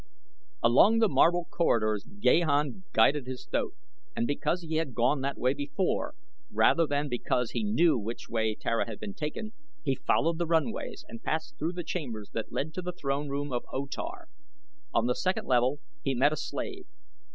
Along the marble corridors Gahan guided his thoat, and because he had gone that way before, rather than because he knew which way Tara had been taken, he followed the runways and passed through the chambers that led to the throne room of O Tar. On the second level he met a slave.